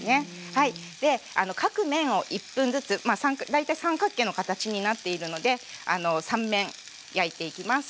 はいで各面を１分ずつまあ大体三角形の形になっているので３面焼いていきます。